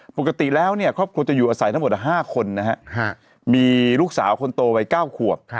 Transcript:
ปกติแล้วเนี่ยครอบครัวจะอยู่อาศัยทั้งหมด๕คนนะฮะมีลูกสาวคนโตวัย๙ขวบ